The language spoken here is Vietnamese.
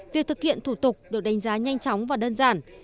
việc thực hiện thủ tục được đánh giá nhanh chóng và đơn giản